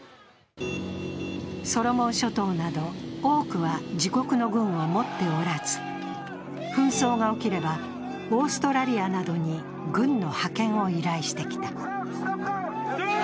ソロモン諸島など多くは自国の軍を持っておらず紛争が起きれば、オーストラリアなどに軍の派遣を依頼してきた。